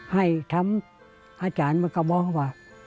ให้ทำอาจารย์มันก็บอกว่า